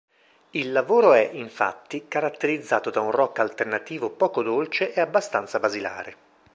Il lavoro è, infatti, caratterizzato da un rock alternativo poco dolce e abbastanza basilare.